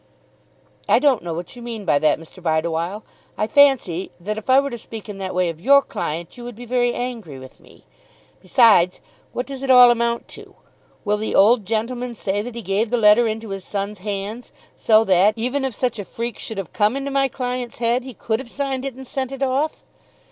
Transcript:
"I don't know what you mean by that, Mr. Bideawhile. I fancy that if I were to speak in that way of your client you would be very angry with me. Besides, what does it all amount to? Will the old gentleman say that he gave the letter into his son's hands, so that, even if such a freak should have come into my client's head, he could have signed it and sent it off?